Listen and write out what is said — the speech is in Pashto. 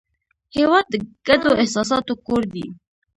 هېواد د ګډو احساساتو کور دی.